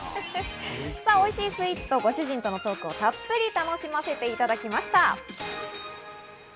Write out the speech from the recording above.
おいしいスイーツとご主人とのトークをたっぷり楽しませていただきました。